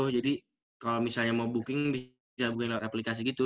jadi kalau misalnya mau booking bisa booking lewat aplikasi gitu